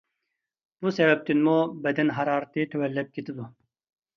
بۇ سەۋەبتىنمۇ بەدەن ھارارىتى تۆۋەنلەپ كېتىدۇ.